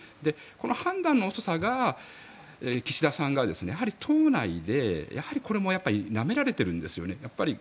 この判断の遅さが岸田さんがやはり党内でなめられてるんですよね。